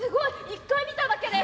一回見ただけで。